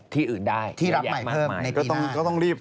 ที่อื่นได้จะใหญ่มากมายที่รับใหม่เพิ่มในปีหน้า